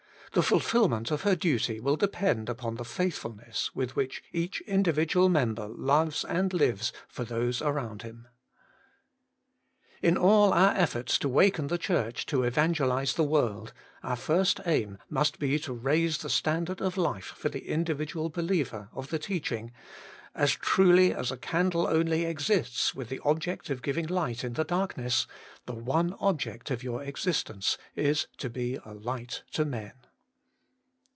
The fulfilment of her duty will depend upon the faithfulness with which each individual member loves and lives for those around him. 2. In all our efforts to waken the Church to evangelise the world, our first aim must be to raise the standard of life for the individual be liever of the teaching : As truly as a candle only exists with the object of giving light in the dark ness, the one object of your existence is to be a light to men.